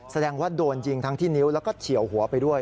แสดงว่าโดนยิงทั้งที่นิ้วแล้วก็เฉียวหัวไปด้วย